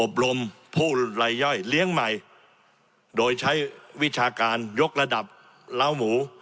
รมผู้ลายย่อยเลี้ยงใหม่โดยใช้วิชาการยกระดับเล้าหมู